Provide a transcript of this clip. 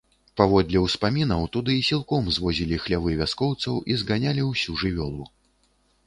Паводле ўспамінаў, туды сілком звозілі хлявы вяскоўцаў і зганялі ўсю жывёлу.